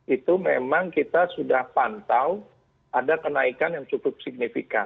itu memang kita sudah pantau ada kenaikan yang cukup signifikan